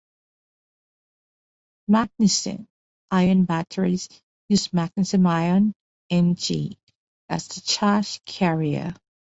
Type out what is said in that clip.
Magnesium (ion) batteries use magnesium ions (Mg) as the charge carrier.